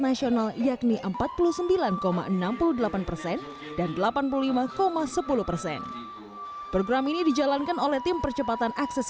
nasional yakni empat puluh sembilan enam puluh delapan persen dan delapan puluh lima sepuluh persen program ini dijalankan oleh tim percepatan akses